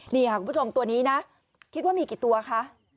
นี่ค่ะคุณผู้ชมตัวนี้นะคิดว่ามีกี่ตัวคะ